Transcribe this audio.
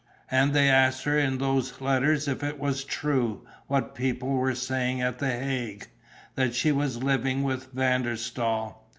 And they asked her in those letters if it was true, what people were saying at the Hague, that she was living with Van der Staal.